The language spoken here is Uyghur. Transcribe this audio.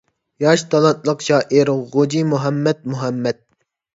ياش، تالانتلىق شائىر غوجىمۇھەممەد مۇھەممەد